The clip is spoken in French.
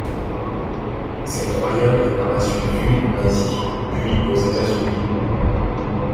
Cette Royale est par la suite vue en Asie, puis aux États-Unis.